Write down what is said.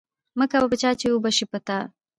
مه کوه په چا، چي وبه سي په تا